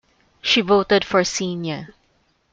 She voted for Xenia.